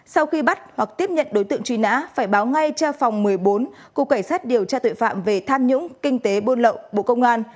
sau khi bắt hoặc tiếp nhận đối tượng truy nã phải báo ngay cho phòng một mươi bốn cục cảnh sát điều tra tội phạm về tham nhũng kinh tế buôn lậu bộ công an